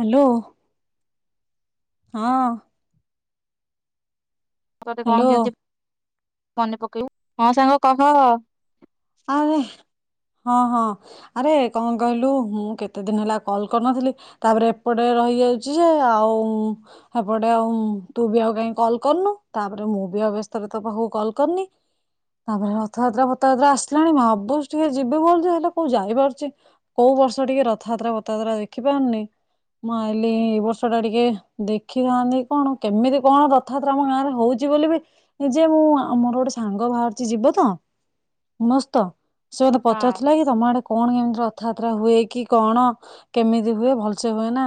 Hello. ହଁ। ତତେ କଣ ହ୍ୟାଲୋ କେମତି ମନେ ପକେଇବୁ ହଁ ସାଙ୍ଗ କହ ଆରେ ହଁ ହଁ ଆରେ କଣ କହିଲୁ ମୁଁ କେତେ ଦିନ ହେଲା କଲ କରିନଥିଲି ତାପରେ ଏପଟେ ରହିଯାଉଛି ଯେ ଆଉ ଏପଟେ ଆଉ ତୁ ବି ଆଉ କାହିଁକ କଲ୍ କରନୁ ତାପରେ ମୁଁ ବି ଆଉ ବ୍ୟସ୍ତରେ ତୋ ପାଖକୁ କଲ୍ କରିନି ତାପରେ ରଥଯାତ୍ରା ଫଥଯାତ୍ରା ଆସ ଆସିଲାଣି ଭାବୁଛି ଟିକେ ଯିବି ବୋଲିଲ ହେଲେ କୋଉ ଯାଇପାରୁଛି କୋଉ ବର୍ଷ ଟିକେ ରଥଯାତ୍ରା ବଥାଯାତ୍ରା ଦେଖି ପାରୁନି ମୁଁ ଆଲି ଏଇ ବର୍ଷ ଟା ଟିକେ ଦେଖିଥାନ୍ତି କଣ କେମିତି କଣ ରଥଯାତ୍ରା ଆମ ଗାଁରେ ହଉଛି ବୋଲି ଯେ ମୁଁ ଆମର ଗୋଟେ ସାଙ୍ଗ ବାହାରୁଛି ଯିବ ତ ମସ୍ତ ସେ ମତେ ପଚାରୁଥିଲା କି ତମ ଆଡେ କଣ କେମିତି ଅ କଥାାତ୍ରା ହୁଏ କି କଣ କେମିତି ହୁଏ ଭଲସେ ହୁଏ ନା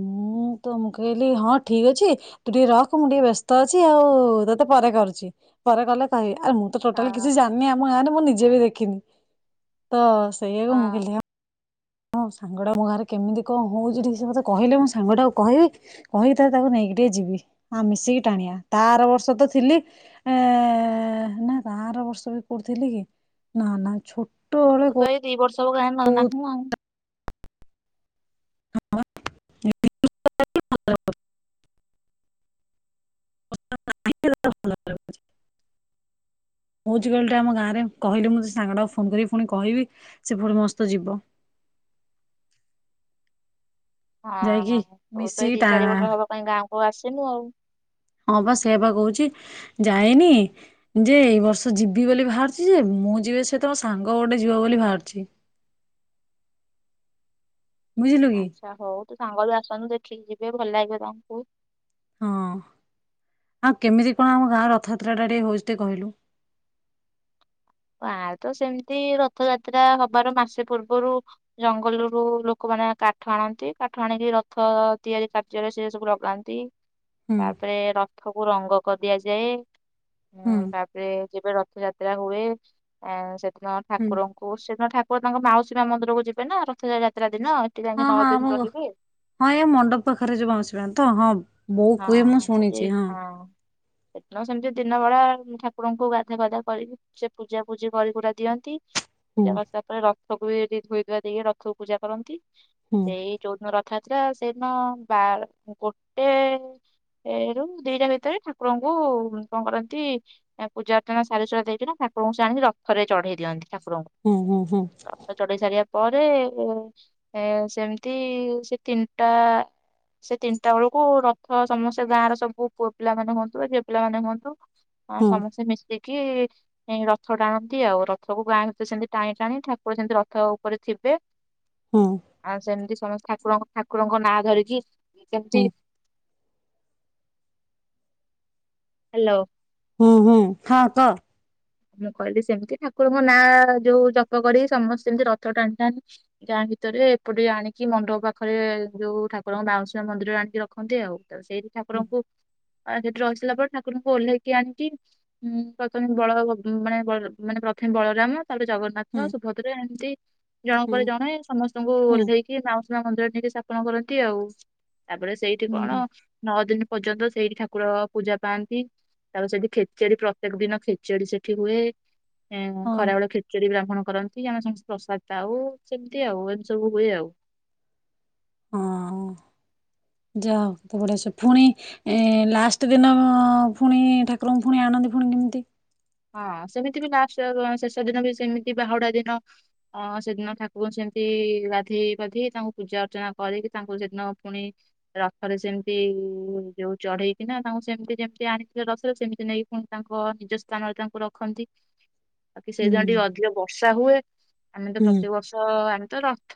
ମୁଁ ତ ମୁଁ କହିଲି ହଁ ଠିକ ଅଛି ତୁ ଟିକେ ରଖ ମୁଁ ଟିକେ ବ୍ୟସ୍ତ ଅଛି ଆଉ ତତେ ପରେ କରୁଛି ପରେ କଲେ କହିବି। ଆ ମୁଁ ତ ଟୋଟାଲି କିଛି ହଁ ଜାିନି ଆ ମୁଁ ନିଜେ ବି ଦେଖିନି ତ ସେଇଆକୁ ହଁ [inaudible] ହଁ ସାଙ୍ଗଟା ମୋ ଘରେ କେମିତି କଣ ହଉଛି ଟିକେ ସେ କେ କହିଲେ ମୁଁ ସାଙ୍ଗଟାକୁ କହିବି କହିିଥା ତାକୁ ନେଇକି ଟିକେ ଯିବି ଆ ମିଶିକି ଟାଣିବା ତା ଆର ବର୍ଷ ତ ଥିଲି ଏ ନା ତ ଆର ବର୍ଷ ବି କୋଉଠି ଥିଲି କି ନା ନାଛୋ ତ ଏ ଦୁଇ ବର୍ଷ ସବୁ [inaudible] ହଉଛି କହିଲଟା [unintelligible] ଆମ ଗାଁରେ କହିଲି ମୁଁ ସାଙ୍ଗଟାକୁ ଫୋନ କରିକି ପୁଣି କହିବି ସେ ପୁଣି ମସ୍ତ ଯିବ ଯାଇକି ହଁହଁ ତୁ ତ ଏ ମିଶିକି ଦିଇ ଟା ଚାରି ବର୍ଷ ହବ କ ଗାଁକୁ ହଉ ଆସିବୁ ଆଉ। ହଁ ବା ସେ ବା କହୁଛି ଯାଇନି ଯେ ଏଇ ବର୍ଷ ଯିବି ବୋଲି ବାହାରିଛି ଯେ ମୁଁ ଯିବି ସେ ତ ମୋ ସାଙ୍ଗ ଗୋଟେ ଯିବ ବୋଲି ବାହାରିଛି ବୁଝିଲୁ କି? ଆଚ୍ଛା ହଉ ତୁ ସାଙ୍ଗ ବି ଆସନ୍ତୁ ଦେଖିକି ଯିବି ଏ ଭଲ ଲାଗିବ ତମକୁ ହଁ ଆଉ କେମିତି କଣ ଆମ ଗାଁ ରଥଯାତ୍ରା ଟା ଟିକେ ହଉଛି ଟିକେ କହିଲୁ ଆ ତ ସେମିତି ରଥଯାତ୍ରା ହବାର ମାସେ ପୂର୍ବରୁ ଜଙ୍ଗଲରୁୁ ଲୋକମାନେ କାଠ ଆଣନ୍ତି କାଠ ଆଣିକି ରଥ ତିଆରି କାର୍ଯ୍ୟରେ ସେ ସବୁ ଲଗାନ୍ତି ହୁଁ ତାପରେ ର ତାକୁ ରଙ୍ଗ କରିଦିଆଯାଏ। ହୁଁ ତାପରେ ଯେବେ ରଥଯାତ୍ରା ହୁଏ। ହଁ ସେତ ହୁଁ ଠାକୁରଙ୍କୁ ସେଦିନ ଠାକୁ ପୁ ତାଙ୍କ ମାଉସୀମା ମନ୍ଦିରକୁ ଯିବେ ନା ରଥ ଯାତ୍ରା ଦିନ ଏଠି ଯାଇକି ହଁ ନଅ ହଁ ଦିନ ଆମ ରହିବେ ହଁ ଏ ମଣ୍ଡପ ପାଖରେ ଯିବା ଆସିବାଣି ତ ହଁ ବୋଉ କୁହେ ମୁଁ ହଁ ସେଠ ଶୁଣିଛି ହଁ ଏତ ସମ ଦିନ ଳା ଠାକୁରଙ୍କୁ ଗାଧୁଆ ପାଧୁଆ କରିକି ସେ ପୂଜା ପୂଜି କରିକୁରା ଦିଅନ୍ତି। ହୁଁ ତେରଦିନ ପରେ ରଥ - ସବୁ ଏଠି ଥୋଇ ଥୁଆ କରିକି ରଥକୁ ବି ଯି ଧୋଇ ଧୁଆ ଦେଇକି ରଥକୁ ପୂଜା କରନ୍ତି। [unintelligible] ହୁଁ ସେଇ ଯଉଦିନ ରଥ ା ସେଦିନ ବାର ଗୋଟେ ଏ ରୂ ଦିଟା ଭିତରେ ଠାକୁରଙ୍କୁ କଣ କରନ୍ତି ପୂଜା ଅର୍ଚ୍ଚନା ସାରି ସାରା ଦେଇକିନା ଠାକୁରଙ୍କୁ ସେ ଆଣିକି ରଥରେ ଚଢେଇ ଦିଅନ୍ତି ଠାକୁରଙ୍କୁ ହୁଁ ହୁଁ ତା ପରେ ଚଢେଇ ସାରିବା ପରେ ଏ ସେମିତି ସେ ତିନିଟା ସେ ତିନିଟା ବେଳକୁ ର୍ ତ ସମସ୍ତେ ଗାଁର ସବୁ ପୁଅ ପିଲାନେ ହୁଅନ୍ତୁ ଝିଅ ପିଲାମାନେ ହୁଅନ୍ତୁ ହଁ ହୁଁ ସମସ୍ତେ ମିଶି କି କି ରଥ ଟାଣନ୍ତି ଆଉ ରଥକୁ ଗାଁ ଭିତରେ ସେମତି ଟାଣି ଟାଣି ଠାକୁର ସେମିତି ରଥ ଉପରେ ଥିବେ। ହୁଁ ହୁଁ ଆଉ ସେମିତି ସମସ୍ତେ୍ ଠାକୁର ଠାକୁରଙ୍କ ନାଁ ଧରିକି ହୁଁ ଇ [inaudible] ହ୍ୟାଲୋ ହୁଁ ହୁଁ ହଁ କହ ମୁଁ କହିଲି ସେମିତି ଠାକୁରଙ୍କ ନାଁ ଯୋଉ ଜପ କରି ସମସ୍ତେ ସେମତି ରଥ ଟାଣିଥାାନ୍ତି ଗାଁ ଭିତରେ ଏପଟେ ଆଣିକି ମଣ୍ଡପ ପାଖରେ ଯୋଉ ଠାକୁରଙ୍କ ବାଉଁଶିଣ ମନ୍ଦିର ଆଣିକି ରଖନ୍ତି ଆଉ ସେଇଠି ଠାକୁରଙ୍କୁ ସେଠି ରସିଲା ପରେ ଠାକୁରଙ୍କୁ ଓହ୍ଲେଇକି ଆଣିକିଁ ପ୍ରଥମେ ବଳଭଦ୍ର୍ ମାନେ ମାନେ ପ୍ରଥମେ ବଳରାମ ତାପରେ ହୁଁ ଜଗନ୍ନାଥ ସୁଭଦ୍ରା ଏମିତି୍ ଜଣ ହୁଁ ପରେ ଜଣେ ସମସ୍ତଙ୍କୁ ହୁଁ ଓହ୍ଲେଇକି ନଉ ମନ୍ଦିର ଟିକି ସ୍ଥାପନ କରନ୍ତି ଆଉ। ତାପରେ ସେଇଠି କଣ ହୁଁ ନଅ ଦିନି ପର୍ଯ୍ୟନ୍ତ ସେଇଠି ଠାକୁର ପୂଜା ପାଆନ୍ତି ତା ସେଠି ଖେଚେଡି ପ୍ରତ୍ୟେକ ଦିନ ଖେଚେଡି ସେଠି ଏଠି ହୁଏ। ହଁ ଖରାବେଳ ଖିଚୁଡି ବା କଣ କରନ୍ତି ଆମେ ସମସ୍ତେ ପ୍ରସାଦ ପାଉ ସେମିତି ଆଉ ଏମିତି ସବୁ ହୁଏ ଆଉ ହଁ ଯାଅ ତ ଵଢିସେ ପୁଣି ଏ ଲାଷ୍ଟ ଦିନ ଫୁଣି ଠାକୁରଙ୍କୁ ଫୁଣି ଆଣନ୍ତି ପୁଣି କେମିତି ହଁ ସେମିତି ବି ଲାଷ୍ଟ ଶେଷ ଦିନ ବି ସେମିତି ବାହୁଡା ଦିନ ଅ ସେଦିନ ଠାକୁରଙ୍କୁ ସେମିତି ଗାଧେଇ ବାଧେଇ ତାଙ୍କୁ ପୂଜା ଅର୍ଚ୍ଚନା କରିକି ତାଙ୍କୁ ସେଦିନ ପୁଣି ରଥରେ ସେମିତି ଯୋଉ ଚଢେଇକିନା ତାଙ୍କୁ ସେମିତି ଯେମିତି ଆଣିଥିଲେ ରସରେ ସେମିତି ନେଇକି ପୁଣି ତାଙ୍କ ନିଜ ସ୍ତା ସ୍ଥାନରେ ତାଙ୍କୁ ରଖନ୍ତି। ବାକି ହୁଁ ସେଇଦିନ ଟିକେ ଅଧିକ ବର୍ଷା ହୁଏ ଆମେ ତ ହୁଁ ପ୍ରତିବର୍ଷ ଅ ତ ରଥ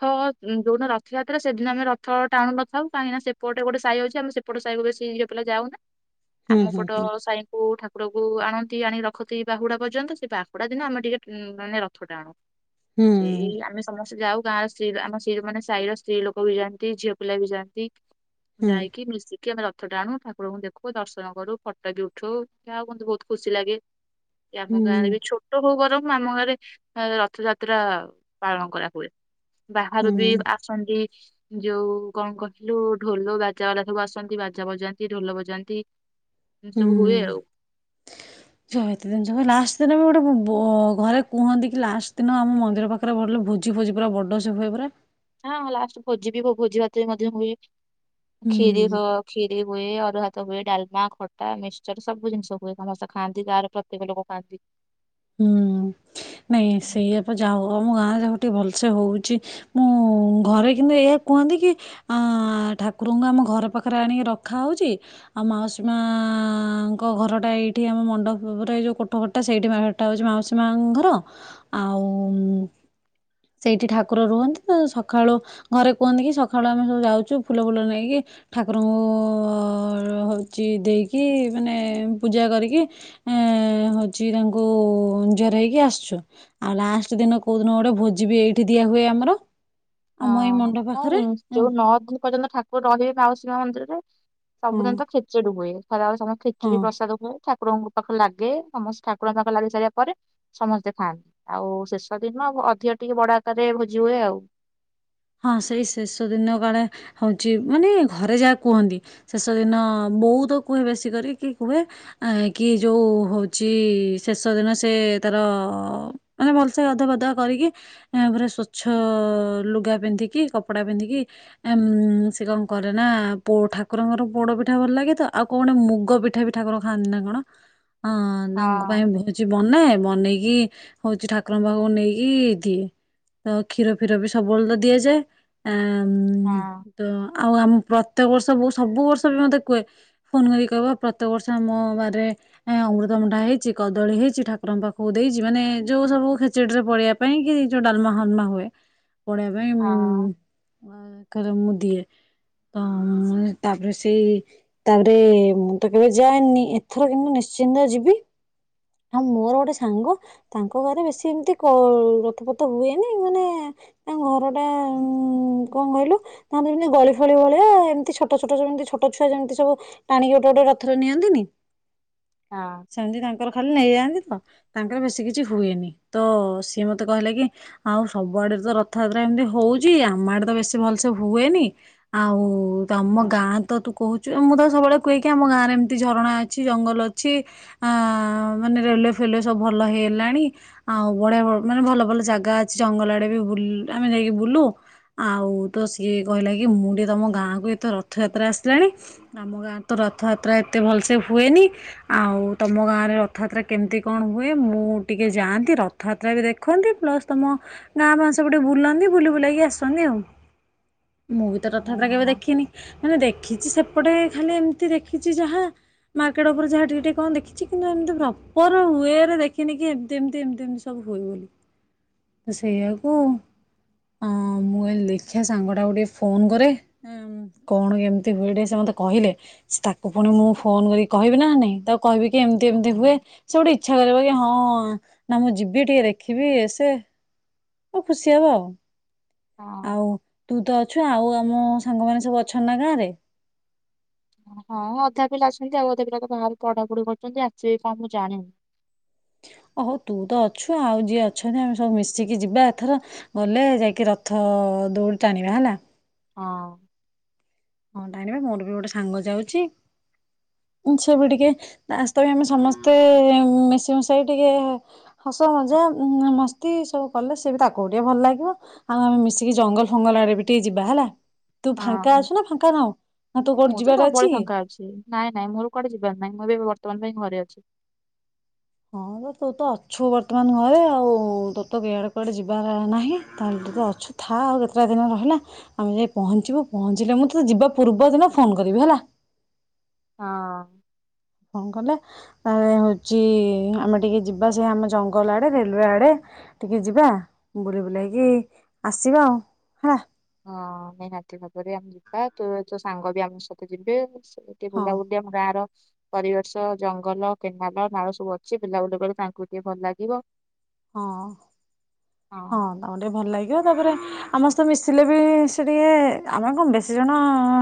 ଯୋଉଦିନ ରଥଯାତ୍ରା ସେଦିନ ଆମେ ରଥ ଟାଣୁ ନଥାଉ କାହିଁକିନା ସେପଟେ ଗୋଟେ ସାହି ଅଛି ଆମେ ସେପଟ ସାହିକୁ ବେଶୀ ଇଏ ପିଲା ଯାଉନା। ହୁଁ ଆମ ହୁଁ ପଟ ସାଇଙ୍କୁ ଠାକୁର କୁ ଆଣ ତି ଆଣିକ ରଖନ୍ତି ବାହୁଡା ପର୍ଯ୍ୟନ୍ତ ସେ ବାହୁଡା ଦିନ ଆମେ ଟିକେ ମାନେ ରଥ ଟାଣୁ ହୁଁ ସେଇ ଆମେ ସମସ୍ତେ ଯାଉ। ଗାଁ ର ସ୍ତ୍ରୀ ଆମ ମାନେ ସାହି ର ସ୍ତ୍ରୀ ଲୋକ ବି ଯାଆନ୍ତି ଝିଅ ପିଲା ବି ଯାଆନ୍ତି ହୁଁ ହୁଁ ଯାଇକି ମିଶିକି ଆମେ ରଥ ଟା ଣୁ ଠାକୁରଙ୍କୁ ଦେଖୁ ଦର୍ଶନ କରୁ ଫଟୋ ବି ଉଠୁ ଯଉୁନ୍ତୁ ବହୁତ ଖୁସି ଲାଗେ। କି ଆମ ହୁଁ ଗାଁରେ ବି ଛୋଟ ହଉ ବରମ୍ ଆମ ଘରେ ରଥଯାତ୍ରା ପାଳନ କରା ହଏ ବାହାରୁ ବି ହୁଁ ଆସନ୍ତି ଯୋଉ କଣ କହିଲୁ ଢୋଲ ବାଜା ବାଲା ସବୁ ଆସନ୍ତି ବାଜା ବଜାନ୍ତି ଢୋଲ ବଜାନ୍ତି। ଏ ସବୁ ହୁଏ ହୁଁ ଆଉ। ଏତେ ଦିନ ସ ଲାଷ୍ଟ ଦିନ ବି ଗୋଟେ ଘରେ କୁହନ୍ତି କି ଲାଷ୍ଟ ଦିନ ଆମ ମନ୍ଦିର ପାଖରେ ବିଲେ ଭୋଜି ଫୋଜି ପୁରା ବଡ ସବୁଏ ପୁରା ହଁ ଲାଷ୍ଟ ଭୋଜି ବି ଭୋଜି ଭାତରେ ମଧ୍ୟ ହୁଏ। ଖିରି ହୁଁ। ହଅ ଖ୍ଷୀରି ହୁଏ ଅରୁ ହାତ ହୁଏ ଡାଲମା ଖଟା ମିକସଚର ସବୁ ଜିନିଷ ହୁଏ ତା ସମସ୍ତେ ଖାଆନ୍ତି ଗାଁର ପ୍ରତ୍ୟେକ ଲୋକ ଖାଆନ୍ତି। ହୁଁ ନ ସେଇ ଆପ ଯାଉ ଆଗ ଠି ଭଲସେ ହଉଛି ମୁଁ ଘରେ କିନ୍ତୁ ଏହା କୁହନ୍ତି କି ଠାକୁରଙ୍କୁ ଆମ ଘର ପାଖରେ ଆଣିକି ରଖାହେଉଛି ଆଉ ମାଉସୀ ମାଙ୍କ ଘରଟା ଏଇଠି ଆମ ମଣ୍ଡପରେ ଏଇ ଯେଉଁ କୋଠଟଟା ସେଇଠି ସେଟା ହଉଛି ମାଉସୀ ମା ଘର ଆଉ ସେଇଠି ଠାକୁର ରୁହନ୍ତି ତ ସକାଳୁ ଘରେ କୁହନ୍ତି କି ସକାଳୁ ଆମେ ସବୁ ଯାଉଛୁ ଫୁଲ ଫୁଲ ନେଇକି ଠାକୁରଙ୍କୁ ହଉଛି ଦେଇକି ମାନେ ପୂଜା କରିକି ଏ ହଉଛି ତା ଙ୍କୁ ଜୁହାର ହେଇକି ଆସୁଛୁ ଆଉ ଲାଷ୍ଟ ଦିନ କୋଉ ଦିନ ଗୋଟେ ଭୋଜି ବି ଏଇଠି ଦିଆ ହୁଏ ଆମର। ଆମ ଏଇ ମଣ୍ଡପ ହଁ ପାଖରେ ନାଇଁ ଯୋଉ ନଅ ଦିନ ପର୍ଯ୍ୟନ୍ତ ଠାକୁର ରହିବେ ମାଉସୀମା ମନ୍ଦିରରେ। ହଁ ସବୁଦିନ ତ ଖିଚୁଡ଼ି ହୁଏ। ଖରା ବେଳେ ସଵୁ ହଁ। ଖିଚିଢ଼ି ପ୍ରସଦ ହୁଏ ଠା ଠାକୁରଙ୍କ ପାଖେ ଲାଗେ ସମସ୍ତେ ଠାକୁରଙ୍କ ପାଖେ ଲାଗି ସାରିବା ପରେ ସମସ୍ତେ ଖାଆନ୍ତି ଆଉ ଶେଷ ଦିନ ଅଧିକ ଟିକେ ବଡ ଆକାରରେ ଭୋଜି ହୁଏ ଆଉ। ହଁ ସେଇ ଶେଷ ଦିନ କାଳେ ହଉଛି ମାନେ ଘରେ ଯାହା କୁହନ୍ତି ଶେଷ ଦିନ ବହୁତ କୁହେ ବେଶୀ କର କି କୁହେ କି ଯୋଉ ହଉଛି ଶେଷ ଦିନ ସେ ତାର ମାନେ ଭଲସେ ଗାଧୁଆ ପାଧୁଆ କରିକି ଏ ପୁରା ସ୍ବଚ୍ଛ ଲୁଗା ପି ପିନ୍ଧିକି କପଡା ପିନ୍ଧିକି ଉ ସେ କଣ କରେ ନା ଠାକୁରଙ୍କର ପୋଡ ପିଠା ଭଲ ଲାଗେ ତ ଆଉ କଣ ଗଟେ ମୁଗ ପିଠା ବି ଠାକୁର ଖାଆନ୍ତି ନା କଣ। ହଁ ତାଙ୍କ ପାଇଁ ହଁ ଭୋଜି ବନାଏ ବନେଇକି ହଉଛି ଠାକୁରଙ୍କ ପାଖକୁ ନେଇକି ଦିଏ ତ କ୍ଷୀର ଫିର ବି ସବୁବେଳେ ତ ଦିଆଯାଏ। ହଁ ତ ଆଉ ଆମେ ପ୍ର ପ୍ରତ୍ୟେକ ବର୍ଷ ବ ସବୁ ବର୍ଷ ବି ମତେ କୁେ ଫୋନ କରିକି କହିବ ପ୍ରତ୍ୟେକ ବର୍ଷ ଆମ ବାହାରେ ଅମୃତ ମୁଢା ହେଇଛି କଦଳୀ ହେଇଛି ଠାକୁରଙ୍କ ପାଖକୁ ଦେଇଛି ମାନେ ଯୋଉ ସବୁ ଖେଚୁଡିରେ ପଢ଼ିବା ପାଇଁ କି ଯୋଉ ଡାଲମା ଫାଲମା ହୁଏ ପଢ଼ି ହଁ [unintelligible] ରେ ମୁଁ ଦିଏ ତ ତାପରେ ସେଇ ତାପରେ ମୁଁ ତ କେବେ ଯାଏନି ଏଥର କିନ୍ତୁ ନିଶ୍ଚିନ୍ତ ଯିବି ଆଉ ମୋର ଗୋଟେ ସାଙ୍ଗ ତାଙ୍କ ଘରେ ବେଶୀ ଏମିତି ରଥ ପଥ ହୁଏନି ମାନେ ତାଙ୍କ ଘରେ ଗୋଟେ ଉ କଣ କହିଲୁ ତାହ ଯେମିତି ଗଳି ଫଳି ଭଳିଆ ଏମିତି ଛୋଟ ଛୋଟ ଯେମିତି ଛୋଟ ଛୁଆ ଯେମିତି ସବୁ ଟାଣିକି ଗୋଟେ ଗୋଟେ ରଥରେ ନିଅନ୍ତିନି। ହଁ ସେମିତି ତାଙ୍କର ଖା ନେଇଯାଆନ୍ତି ତ ତାଙ୍କର ବେଶୀ କିଛି ହୁଏନି ତ ସିଏ ମତେ କହିଲେ କି ଆଉ ସବୁଆଡେ ତ ରଥଯା ଏମିତି ହଉଛି ଆମ ଆଡେ ତ ବେଶୀ ଭଲସେ ହୁଏନି ଆଉ ତମ ଗାଁ ତ ତୁ କହୁଛୁ ମୁଁ ତାକୁ ସବୁବେଳେ କୁହେକି ଆମ ଗାଁ ରେ ଏମିତି ଝରଣା ଅଛି ଜଙ୍ଗଲ ଅଛି ଆ ମାନେ ରେଲୱେ ଫେଲୱେ ସବୁ ଭଲ ହେଇଲାଣି ଆଉ ବଢିଆ ମାନେ ଭଲ ଭଲ ଜାଗା ଅଛି ଜଙ୍ଗଲ ଆଡ଼େ ବି ବୁଲି ଆମେ ଯାଇକି ବୁଲୁ ଆଉ ତ ସିଏ କହିଲା କି ମୁଁ ଟିକେ ତମ ଗାଁକୁ ଏତେ ରଥଯାତ୍ରା ଆସିଲାଣି ଆମ ଗାଁରେ ତ ରଥଯାତ୍ରା ଏତେ ଭଲସେ ହୁଏନି ଆଉ ତମ ଗାଁରେ ରଥଯାତ୍ରା କେମିତି କଣ ହୁଏ ମୁଁ ଟିକେ ଯାଆନ୍ତି ରଥଯାତ୍ରା ବି ଦେଖନ୍ତି ପ୍ଲସ୍ ତମ ଗାଁ ମା ସ ଗୋଟେ ବୁଲନ୍ତି ବୁଲି ବୁଲାକି ଆସନ୍ତି ଆଉ। ମୁଁ ବି ତ ରଥଯାତ୍ରା କେବେ ହଁ ଦେଖିନି ମାନେ ଦେଖି ଦେଖିଛି ସେପଟେ ଖାଲି ଏମିତି ଦେଖିଛି ଯାହା ମାର୍କେଟ ଉପରେ ଯାହା ଟିକିେ ଟିକେ କଣ ଦେଖିଛି କିନ୍ତୁ ଏମିତି ପ୍ରପର ୱେରେ ଦେଖିନି କି ଏମିତି ଏମିତି ଏମିତି ଏମିତି ସବୁ ହୁଏ ବୋଲି ତ ସେଇଆକୁ। ଅ ମୁଁ କଇଲି ଦେଖିଆ ସାଙ୍ଗଟାକୁ ଟିକେ ଫୋନ୍ କରେ କଣ କେମିତି ହୁଏ ଟିକେ ସେ ମତେ କହିଲେ ତାକୁ ପୁଣି ମୁଁ ଫୋନ୍ କରି କହିବି ନା ନାଇଁ ତାକୁ କହିବି କି ଏମିତି ହଁ ଏମିତି ହୁଏ ସେ ଗୋଟେ ଇଚ୍ଛା କରିବ କି ହଁ ହଁ ନା ମୁଁ ଯିବି ଟିକେ ଦେଖିବି ଏସେ ଖୁସି ହବ ଆଉ। ହଁ। ଆଉ ତୁ ତ ଅଛୁ ଆଉ ଆମ ସାଙ୍ଗ ମାନ ସବୁ ଅଛନ୍ତି ନା ଗାଁ ରେ? ହଁ ଅଧା ପିଲା ଅଛନ୍ତି ଆଉ ଅଧା ପିଲା ତ ବାହାରେ ପଢାପଢି କରୁଛନ୍ତି ଆସିବେ କ ମୁଁ ଜାଣିନି। ଓହୋ ତୁ ତ ଅଛୁ ଆଉ ଯିଏ ଅଛନ୍ତି ଆମେ ସବୁ ମିଶିକି ଯିବା ଏଥର ଗଲେ ଯାଇକି ରଥ ଦୌଡି ଟାଣିବା ହେଲା। ହଁ। ହଁ ଟାଣିବା ମୋର ବି ଗୋଟେ ସାଙ୍ଗ ଯାଉଛି ସେ ବି ଟିକେ ତାସ୍ତ ବି ଆମେ ସମସ୍ତେ ମିଶି ମିଶାଇ ଟିକେ ହସ ମଜା ମସ୍ତି ସବୁ କଲେ ସେ ବି ତାକୁ ଟିକେ ଭଲ ଲାଗିବ ଆଉ ଆମେ ମିଶିକି ଜଙ୍ଗଲ ଫଙ୍ଗଲ ଆଡ଼େ ବି ଟିକେ ଯିବା ହେଲା। ତୁ ଫାଙ୍କା ଅଛୁ ନା ଫାଙ୍କା ନାହୁଁ ନା ତୁ କୋଉଠି ମୁଁ ତ ଯିବାର ଅଛି ସବୁବେଳେ କି? ଫାଙ୍କା ଅଛି ନାଇଁ ନାଇଁ ମୋର କୁଆଡେ ଯିବାର ନାହିଁ ମୁଁ ବି ବର୍ତ୍ତମାନେ ପାଇଁ ଘରେ ଅଛି। ହଁ ତୁ ତ ଅଛୁ ବର୍ତ୍ତମାନ ଘରେ ଆଉ ତୋର ତ ଏଆଡେ କୁଆଡେ ଯିବ ନାହିଁ ତାହେଲେ ତତେ ଅଛୁ ଥା ଆଉ କେତେଟା ଦିନ ରହିଲା ଆମେ ଯାଇ ପହଞ୍ଚିବୁ ପହଞ୍ଚିଲେ ମୁଁ ତୋତେ ଯିବା ପୂର୍ବ ଦିନ ଫୋନ୍ କରିବି ହେଲା। ହଁ। କଣ କଲେ ତା ହଉଛି ଆମେ ଟିକେ ଯିବା ସେ ଆମ ଜଙ୍ଗଲ ଆଡେ ରେଲୱେ ଆଡେ ଟିକେ ଯିବା ବୁଲି ବୁଲେଇକି ଆସିବା ଆଉ ହେଲା ହଁ ନିହାତି ଭାବରେ ଆମ ଯିବା ତୁ ତୋ ସାଙ୍ଗ ବି ଆମ ସ ଯିବେ ଏଠେ ହଁ ବୁଲା ଉଦ୍ୟମ ଗାଁର ପରିବେଶ ଜଙ୍ଗଲ କେନାଲ ନାଳ ସବୁ ଅଛି ବୁଲା ବୁଲି କ ତାଙ୍କୁ ଟିକେ ଭଲ ଲାଗିବ ହଁ ହଁ ତମର ଟିକେ ଭଲ ଲାଗ ତାପରେ ଆମସ୍ତେ ମିଶିଲେ ବି ସେ ଟିକେ ଆମେ କଣ ବେଶୀ ଜଣ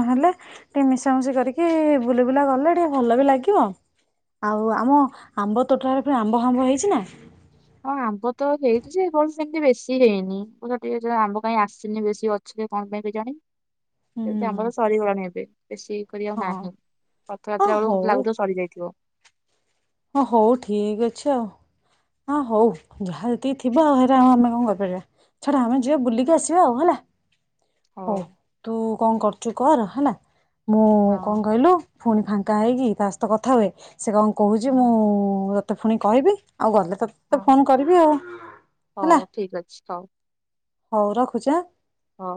ହେଲେ ଟିକେ ମିଶାମଶି କରିକି ବୁଲି ବୁଲା କଲେ ଟିକେ ଭଲ ବି ଲାଗିବ ଆଉ ଆମ ଆମ୍ବ ତୋଟାରେ ପ ଆମ୍ବ ଫାମ୍ବ ହେଇଛି ନା ହଁ ଆମ୍ବ ତ ହେଇଛି ଯେ କଣ ସେମିତି ବେଶୀ ହେଇନି କ ଟିକେ ଅ ଆମ୍ବ କାଇଁ ଆସିନି ବେଶୀ ଅଛି କେ କଣ ପାଇଁ କି ଜାଣି ହୁଁ ସେୁ ଆମର ସରିଗୋଡ଼ ନେବେ ବେଶୀ କରିବାକୁ ହଁ ନାହିଁ ହଁ ରଥଯାତ୍ରା ବେଳକୁ ହଉ ଲାଗୁଥିବ ସରିଯାଇଥିବ ହଁ ହଉ ଠିକ ଅଛି ଆଉ ହ ହଉ ଯାହାତିି ଥିବ ଆଉ ଆମେ କଣ କରିପାରିବା ଛଡା ଆମେ ଯିବା ବୁଲିକି ଆସିବା ଆଉ ହେଲା ହ ହଉ ତୁ କଣ କର ଏ କର ରହନା ମୁଁ ହଁ କଣ କହିଲୁ ପୁଣି ଫାଙ୍କା ହେଇକି ସ୍ତ କଥା ହୁଏ ସେ କଣ? ଯେ ମୁଁ ହଁ ର ତତେ ପୁଣି କହିବି ଆଉ ଗଲେ ତତେ ତ ହଁ ଫୋନ କରିବି ଆଉ ହେଲା ହଉ ଠିକ ଅଛି ହଉ ରଖୁଛ ଆ ହଁ